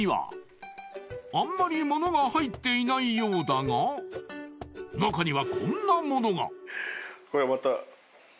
［あんまり物が入っていないようだが中にはこんなものが］